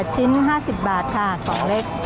๘ชิ้น๕๐บาทค่ะกล่องเล็ก